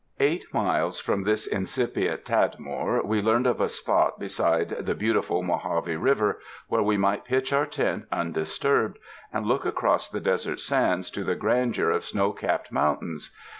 Eight miles from this incipient Tadmor, we learned of a spot beside the beautiful Mojave River, where we might i)itch our tent undisturbed, and look across the desert sands to the grandeur of snow capped mountains.